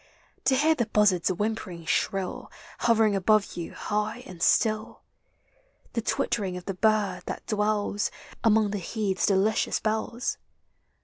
To hear the buzzard's whimpering shrill, Hovering above you high and si ill? The twittering of the bird thai dwells Among the heath's delicious bells?